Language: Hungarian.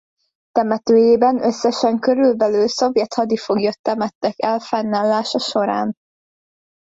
Temetőjében összesen körülbelül szovjet hadifoglyot temettek el fennállása során.